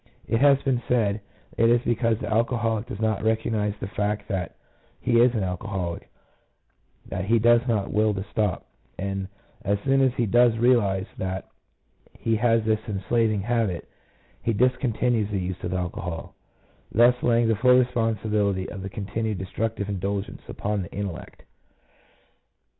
It has been said it is because the alcoholic does not recognize the fact that he is an alcoholic, that he does not will to stop; 1 and as soon as he does realize that he has this enslaving habit, he discontinues the use of alcohol, thus laying the full responsibility of the continued destructive indulgence upon the intellect.